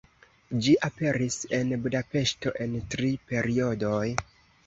Ĝi aperis en Budapeŝto en tri periodoj.